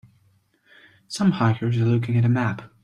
Some hikers are looking at a map.